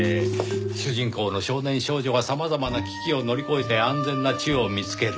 主人公の少年少女が様々な危機を乗り越えて安全な地を見つける。